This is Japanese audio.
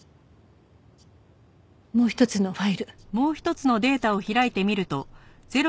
もう一つのファイル。